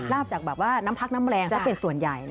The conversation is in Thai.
ลาบจากน้ำพักน้ำแรงก็เป็นส่วนใหญ่